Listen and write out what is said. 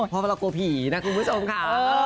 เพราะเรากลัวผีนะคุณผู้ชมค่ะ